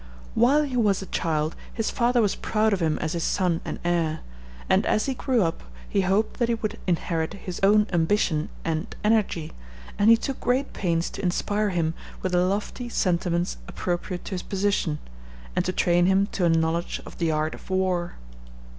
While he was a child his father was proud of him as his son and heir, and as he grew up he hoped that he would inherit his own ambition and energy, and he took great pains to inspire him with the lofty sentiments appropriate to his position, and to train him to a knowledge of the art of war.